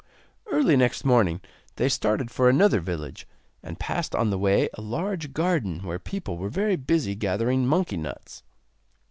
Early next morning they started for another village, and passed on the way a large garden where people were very busy gathering monkey nuts.